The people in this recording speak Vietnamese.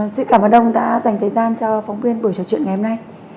xin cảm ơn ông đã dành thời gian cho phóng viên buổi trò chuyện ngày hôm nay